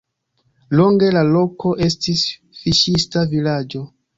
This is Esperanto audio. Longe la loko estis fiŝista vilaĝo.